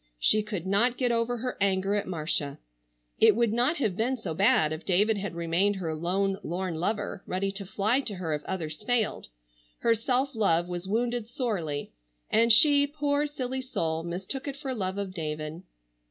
She could not get over her anger at Marcia. It would not have been so bad if David had remained her lone lorn lover, ready to fly to her if others failed. Her self love was wounded sorely, and she, poor silly soul, mistook it for love of David.